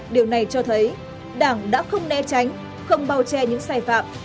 điều này cho thấy đảng đã không né tránh không bao che những sai phạm